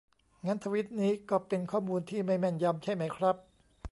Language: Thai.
งั้นทวีตนี้ก็เป็นข้อมูลที่ไม่แม่นยำใช่ไหมครับ